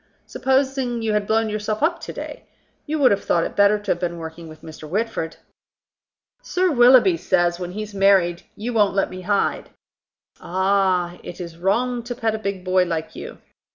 Supposing you had blown yourself up to day! You would have thought it better to have been working with Mr. Whitford." "Sir Willoughby says, when he's married, you won't let me hide." "Ah! It is wrong to pet a big boy like you.